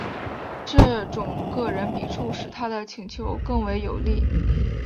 这种个人笔触使他的请求更为有力。